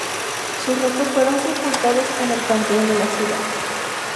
Sus restos fueron sepultados en el Panteón de la ciudad.